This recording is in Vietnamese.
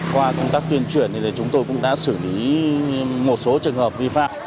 qua công tác tuyên truyền thì chúng tôi cũng đã xử lý một số trường hợp vi phạm